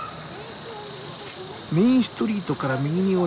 メインストリートから右に折れて